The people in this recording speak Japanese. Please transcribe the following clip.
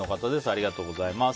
ありがとうございます。